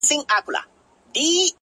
هغه ښايسته بنگړى په وينو ســـور دى _